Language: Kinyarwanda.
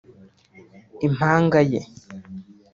impanga ye